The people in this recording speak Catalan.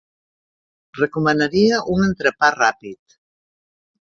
Recomanaria un entrepà ràpid.